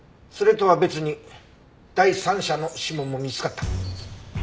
それとは別に第三者の指紋も見つかった。